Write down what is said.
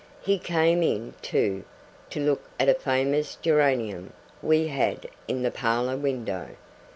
He came in, too, to look at a famous geranium we had, in the parlour window.